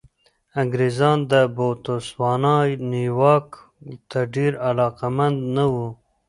انګرېزان د بوتسوانا نیواک ته ډېر علاقمند نه وو.